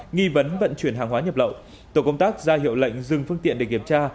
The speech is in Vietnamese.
nghi vấn vận chuyển hàng hóa nhập lậu tổ công tác ra hiệu lệnh dừng phương tiện để kiểm tra